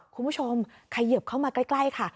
คุณผู้ชมเขยิบเข้ามาใกล้ค่ะ